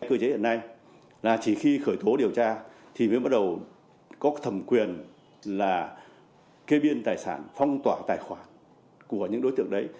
cơ chế hiện nay là chỉ khi khởi tố điều tra thì mới bắt đầu có thẩm quyền là kê biên tài sản phong tỏa tài khoản của những đối tượng đấy